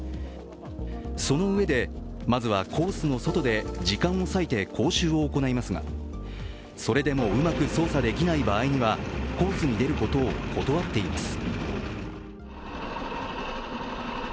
そのうえで、まずはコースの外で時間を割いて講習を行いますがそれでもうまく操作できない場合にはコースに出ることを断っています。